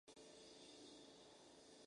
Iris pardo grisáceo.